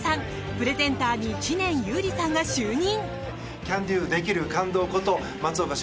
プレゼンターに知念侑李さんが就任。